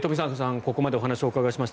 ここまでお話を伺いました。